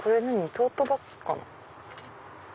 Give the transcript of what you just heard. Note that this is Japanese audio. トートバッグかな？